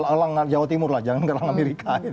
elang jawa timur lah jangan elang amerika